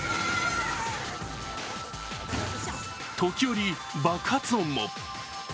時折、爆発音も。